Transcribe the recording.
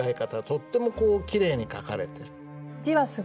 とってもこうきれいに書かれてる。